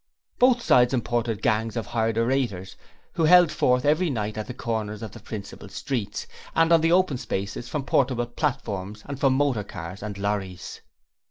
Both sides imported gangs of hired orators who held forth every night at the corners of the principal streets, and on the open spaces from portable platforms, and from motor cars and lorries.